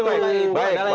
raya tahu sekali